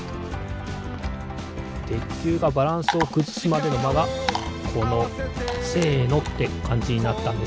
てっきゅうがバランスをくずすまでのまがこの「せの！」ってかんじになったんですね。